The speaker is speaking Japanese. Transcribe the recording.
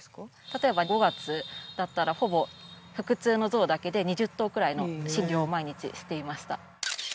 例えば５月だったらほぼ腹痛のゾウだけで２０頭くらいの診療を毎日していました